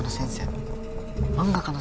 先生？